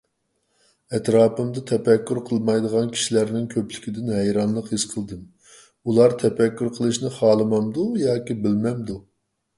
ئەتراپىمدا تەپەككۇر قىلمايدىغان كىشىلەرنىڭ كۆپلۈكىدىن ھەيرانلىق ھېس قىلدىم. ئۇلار تەپەككۇر قىلىشنى خالىمامدۇ ياكى بىلمەمدۇ؟